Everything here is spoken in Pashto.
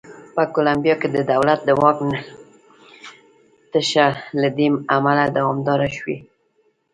په کولمبیا کې د دولت د واک تشه له دې امله دوامداره شوې.